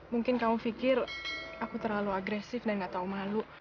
mungkin kamu pikir aku terlalu agresif dan gak tau malu